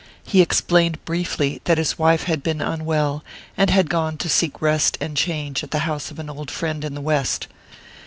He explained briefly that his wife had been unwell, and had gone to seek rest and change at the house of an old friend in the west.